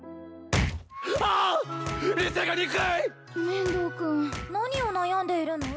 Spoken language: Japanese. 面堂君何を悩んでいるの？